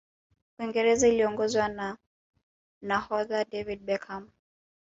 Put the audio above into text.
uingereza iliongozwa na nahodha david beckham